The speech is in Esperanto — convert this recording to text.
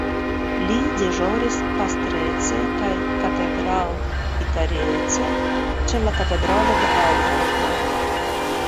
Li deĵoris pastrece kaj katedralvikariece ĉe la Katedralo de Aŭgsburgo.